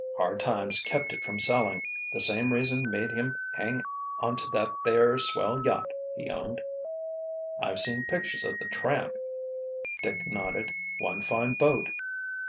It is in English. Hard times kept it from selling, the same reason made him hang onto that there swell yacht he owned." "I've seen pictures of the Tramp," Dick nodded. "One fine boat."